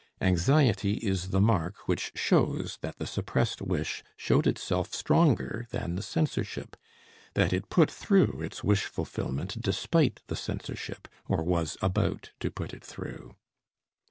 Anxiety is the mark which shows that the suppressed wish showed itself stronger than the censorship, that it put through its wish fulfillment despite the censorship, or was about to put it through.